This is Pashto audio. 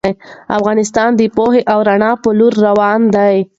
افغانستان د پوهې او رڼا په لور روان دی.